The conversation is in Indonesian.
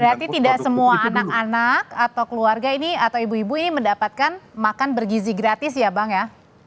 berarti tidak semua anak anak atau keluarga ini atau ibu ibu ini mendapatkan makan bergizi gratis ya bang ya